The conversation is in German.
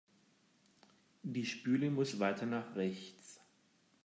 Die Spüle muss weiter nach rechts.